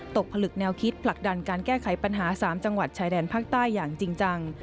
ผลึกแนวคิดผลักดันการแก้ไขปัญหา๓จังหวัดชายแดนภาคใต้อย่างจริงจัง